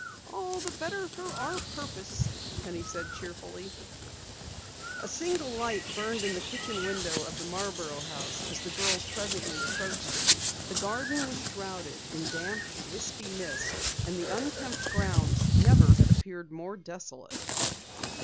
"All the better for our purpose," Penny said cheerfully. A single light burned in the kitchen window of the Marborough house as the girls presently approached it. The garden was shrouded in damp, wispy mist and the unkempt grounds never had appeared more desolate.